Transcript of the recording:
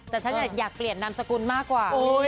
แต่ฉันอยากเปลี่ยนนามสกุลมากกว่า